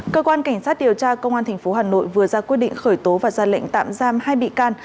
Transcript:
cơ quan cảnh sát điều tra công an tp hà nội vừa ra quyết định khởi tố và ra lệnh tạm giam hai bị can